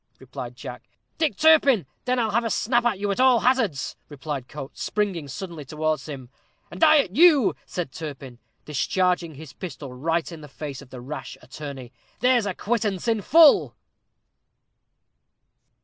replied Jack. "Dick Turpin! then I'll have a snap at you at all hazards," cried Coates, springing suddenly towards him. "And I at you," said Turpin, discharging his pistol right in the face of the rash attorney; "there's a quittance in full."